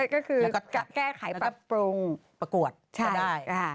ก็คือแก้ไขปรับปรุงประกวดก็ได้